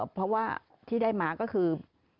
เพราะว่าที่ได้มาก็คือ